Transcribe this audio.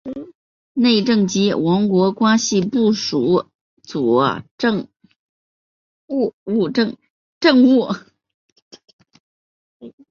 内政及王国关系部辅佐政务。